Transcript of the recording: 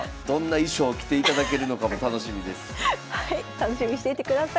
楽しみにしていてください。